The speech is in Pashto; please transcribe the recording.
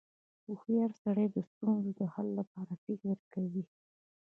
• هوښیار سړی د ستونزو د حل لپاره فکر کوي.